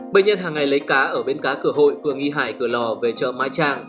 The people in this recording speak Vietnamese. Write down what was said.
bệnh nhân hàng ngày lấy cá ở bên cá cửa hội phương nghị hải cửa lò về chợ mai trang